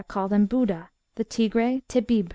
call them Buda, the Tigre, Tebbib.